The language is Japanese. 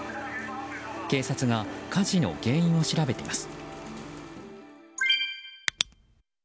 警察が火事の原因を調べています。